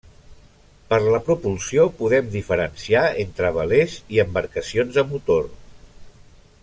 Per la propulsió podem diferenciar entre velers i embarcacions de motor.